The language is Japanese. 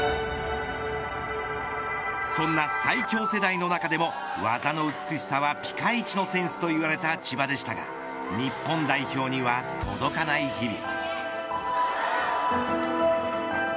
そんな最強世代の中でも技の美しさは、ピカイチのセンスといわれた千葉でしたが日本代表には届かない日々。